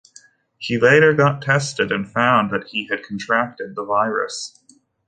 He later got tested and found that he had contracted the virus.